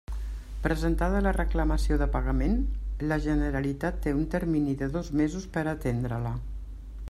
Presentada la reclamació de pagament, la Generalitat té un termini de dos mesos per a atendre-la.